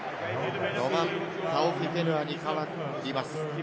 ロマン・タオフィフェヌアに代わります。